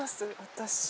私。